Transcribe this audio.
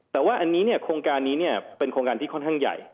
แต่ว่าอันนี้โครงการนี้เป็นโครงการที่ค่อนข้างใหญ่